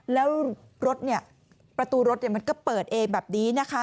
แล้วรถเนี่ยประตูรถมันก็เปิดเองแบบนี้นะคะ